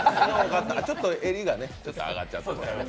ちょっと襟が上がっちゃってる。